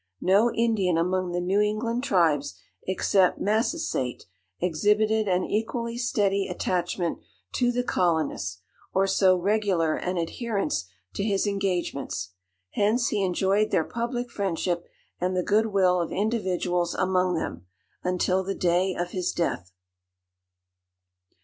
No Indian among the New England tribes, except Massasait, exhibited an equally steady attachment to the Colonists, or so regular an adherence to his engagements. Hence he enjoyed their public friendship, and the good will of individuals among them, until the day of his death.